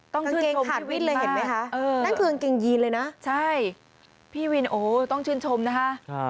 ต้องชื่นชมพี่วินมากใช่พี่วินโอ้โฮต้องชื่นชมนะฮะ